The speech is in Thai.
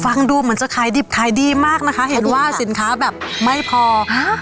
ฟังดูเหมือนจะขายดิบขายดีมากนะคะเห็นว่าสินค้าแบบไม่พอฮะ